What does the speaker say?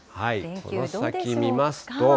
この先見ますと。